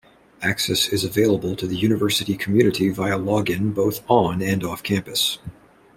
Access is available to the university community via login both on and off campus.